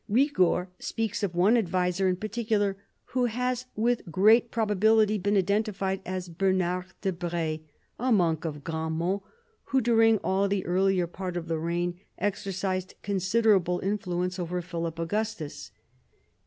Eigord speaks of one adviser in particular, who has with great probability been identified as Bernard de Bre, a monk of Grandmont, who during all the earlier part of the reign exercised considerable influence over Philip Augustus.